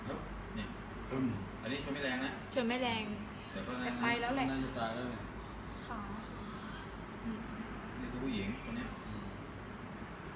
อันนี้เฉินไม่แรงนะเฉินไม่แรงแต่ไปแล้วแหละ